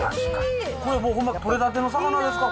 これほんま、取れたての魚ですか？